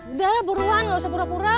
udah buruan lo sepura pura